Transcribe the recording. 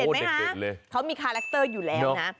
ไหมคะเขามีคาแรคเตอร์อยู่แล้วนะ